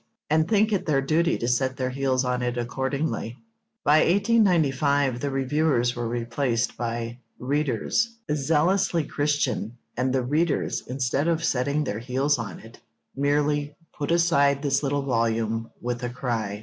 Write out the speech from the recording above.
and think it their duty to set their heels on it accordingly.' By 1895 the reviewers were replaced by 'readers, zealously Christian,' and the readers, instead of setting their heels on it, merely 'put aside this little volume with a cry.'